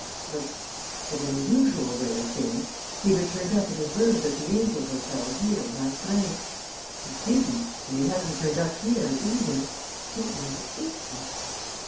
But in the usual way of things he'd have turned up at his rooms at the 'Angel' hotel here last night. He didn't and he hasn't turned up here, either. So where is he?"